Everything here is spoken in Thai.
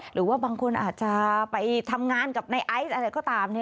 หรือว่าบางคนอาจจะไปทำงานกับในไอซ์อะไรก็ตาม